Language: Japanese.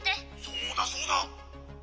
「そうだそうだ」。